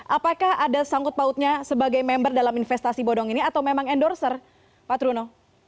apakah ada sangkut pautnya sebagai member dalam investasi bodong ini atau memang endorser pak truno